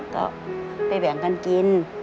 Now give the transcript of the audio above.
ก็ไปแบ่งกันกิน